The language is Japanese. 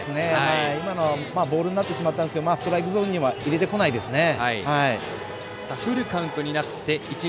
今のはボールになってしまったんですがストライクゾーンには入れてこないですね。